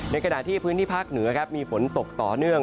ในกระดาษที่พื้นที่ภาคเหนือมีฝนตกต่อเนื่อง